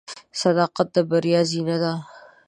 • صداقت د بریا زینه ده.